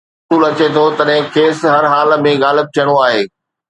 جڏهن رسول اچي ٿو، تڏهن کيس هر حال ۾ غالب ٿيڻو آهي.